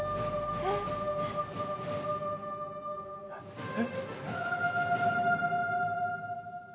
えっええ！